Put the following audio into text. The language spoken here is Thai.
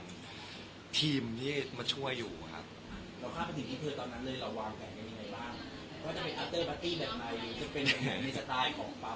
โอ๊ยมีธีมหรอครับที่สมี